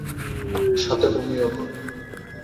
সাথে বমিও করে।